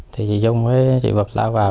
thì chị dung với chị vực lao vào